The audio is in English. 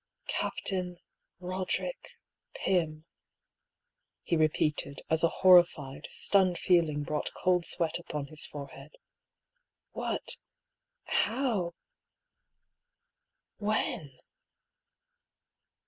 " Captain — Roderick — Pym," he repeated, as a hor rified, stunned feeling brought cold sweat upon his fore head. " What — how — when